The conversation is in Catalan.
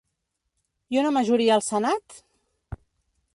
I una majoria al senat?